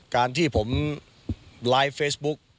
การที่ผมไลฟ์เฟซบุ๊ก